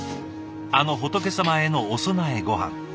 あの仏様へのお供えごはん。